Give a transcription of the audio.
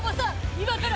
今から。